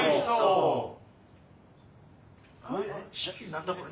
何だこれ？